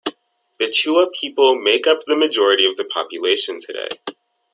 The Chewa people make up the majority of the population today.